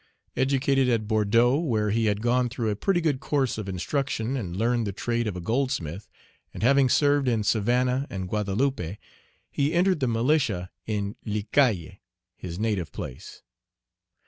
Educated at Bordeaux, where he had gone through a pretty good course of instruction, and learned the trade of a goldsmith, and having served in Savannah and Guadeloupe, he entered the militia in Les Cayes, his native place.